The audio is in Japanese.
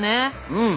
うん。